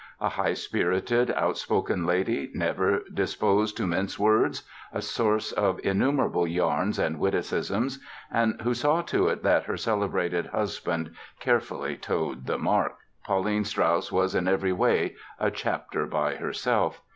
A high spirited, outspoken lady, never disposed to mince words, a source of innumerable yarns and witticisms, and who saw to it that her celebrated husband carefully toed the mark, Pauline Strauss was in every way a chapter by herself.